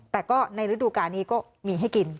แต่ก็ในฤดูการนี้ก็มีให้กิน